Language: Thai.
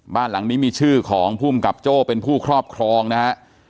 บ้านหลังนี้มีชื่อของภูมิกับโจ้เป็นผู้ครอบครองนะฮะ